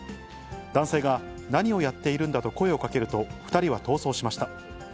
男性が何をやっているんだと声をかけると、２人は逃走しました。